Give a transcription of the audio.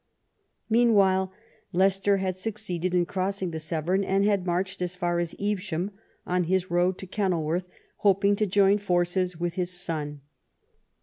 Meanwhile Leicester had succeeded in crossing the Severn, and had marched as far as Evesham on his road to Kenilworth, hoping to join forces with his son.